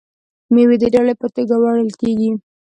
میوې د ډالۍ په توګه وړل کیږي.